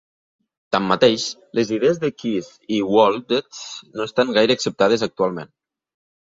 Tanmateix, les idees de Keys i Wohletz no estan gaire acceptades actualment.